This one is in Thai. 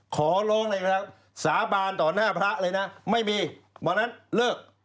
ขอร้องเลยนะครับสาบานต่อหน้าพระเลยนะไม่มีวันนั้นเลิก